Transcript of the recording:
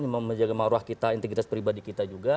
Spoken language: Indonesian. menjaga maruah kita integritas pribadi kita juga